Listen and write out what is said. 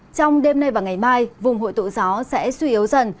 trong đêm nay và ngày mai vùng hội tụ gió sẽ suy yếu dần